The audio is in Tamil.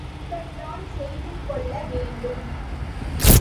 அப்படித்தான் செய்துகொள்ள வேண்டும்.